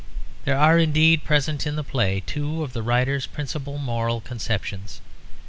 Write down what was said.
There are indeed present in the play two of the writer's principal moral conceptions.